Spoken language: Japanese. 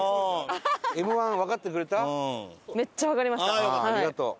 ああありがとう。